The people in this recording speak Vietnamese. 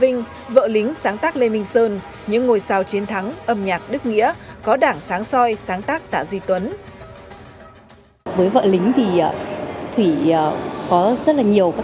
hàng vinh vợ lính sáng tác lê minh sơn những ngôi sao chiến thắng âm nhạc đức nghĩa có đảng sáng soi sáng tác tạ duy tuấn